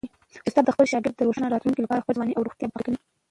استاد د خپل شاګرد د روښانه راتلونکي لپاره خپله ځواني او روغتیا وقف کوي.